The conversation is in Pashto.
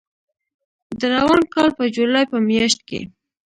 د روان کال په جولای په میاشت کې